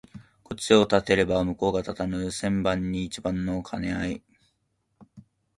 こっちを立てれば向こうが立たぬ千番に一番の兼合い